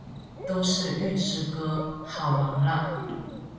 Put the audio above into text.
都是预制歌，好完了！